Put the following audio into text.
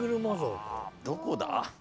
どこだ？